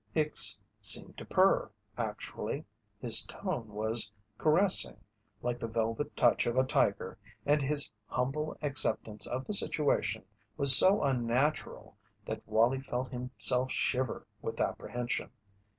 Hicks seemed to purr, actually. His tone was caressing like the velvet touch of a tiger and his humble acceptance of the situation was so unnatural that Wallie felt himself shiver with apprehension.